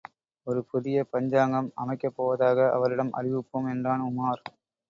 ஒரு புதிய பஞ்சாங்கம் அமைக்கப் போவதாக அவரிடம் அறிவிப்போம்! என்றான் உமார்.